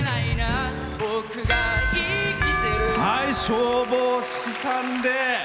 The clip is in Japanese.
消防士さんで。